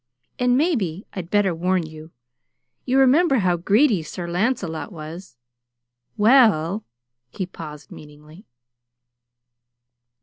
And maybe I'd better warn you you remember how greedy Sir Lancelot was; well " He paused meaningly.